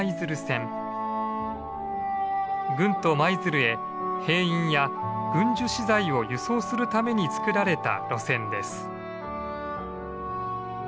軍都・舞鶴へ兵員や軍需資材を輸送するために造られた路線です。